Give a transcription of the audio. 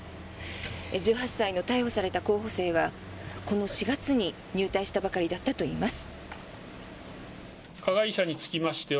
１８歳の逮捕された候補生はこの４月に入隊したばかりだったといいます。